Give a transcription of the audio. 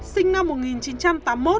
sinh năm một nghìn chín trăm tám mươi một